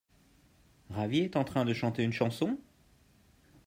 Ravi est en train de chanter une chanson ?